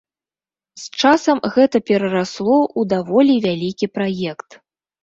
З часам гэта перарасло ў даволі вялікі праект.